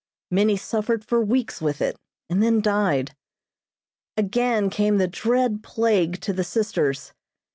Many suffered for weeks with it, and then died. Again came the dread plague to the sisters.